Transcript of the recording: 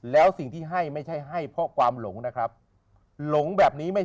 แล้วสิ่งที่ให้ไม่ใช่ให้เพราะความหลงนะครับหลงแบบนี้ไม่